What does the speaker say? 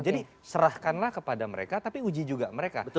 jadi serahkanlah kepada mereka tapi uji juga mereka